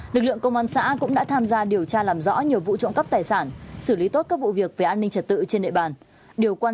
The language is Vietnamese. lực lượng công an xã cũng đã tham gia điều tra làm rõ nhiều vụ trộm cắp tài sản xử lý tốt các vụ việc về an ninh trật tự trên địa bàn